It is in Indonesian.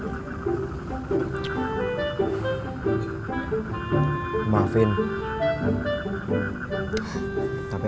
itu tahun pertama ini